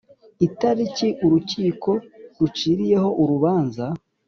itariki urukiko ruciriyeho urubanza